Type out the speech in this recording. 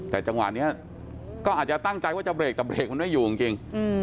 แต่จังหวะนี้ก็อาจจะตั้งใจว่าจะเรกแต่เรกมันไม่อยู่จริง